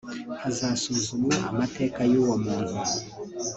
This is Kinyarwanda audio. hagasuzumwa amateka y’uwo muntu